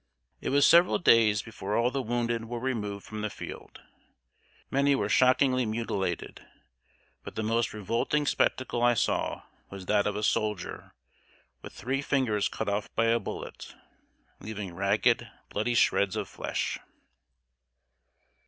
It was several days before all the wounded were removed from the field. Many were shockingly mutilated; but the most revolting spectacle I saw was that of a soldier, with three fingers cut off by a bullet, leaving ragged, bloody shreds of flesh.